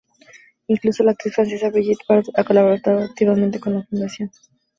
Incluso la actriz francesa Brigitte Bardot ha colaborado activamente con la Fundación.